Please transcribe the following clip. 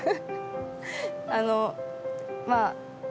あのまあ